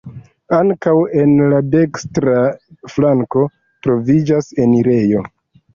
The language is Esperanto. Ankaŭ en la dekstra flanko troviĝas enirejo.